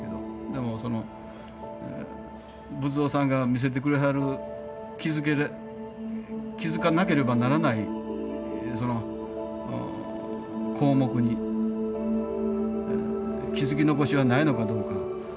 でもその仏像さんが見せてくれはる気付かなければならないその項目に気付き残しはないのかどうか。